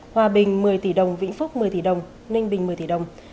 hòa bình một mươi tỷ đồng vĩnh phúc một mươi tỷ đồng ninh bình một mươi tỷ đồng